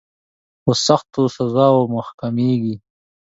په سختو سزاوو محکومیږي.